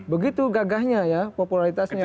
begitu gagahnya ya popularitasnya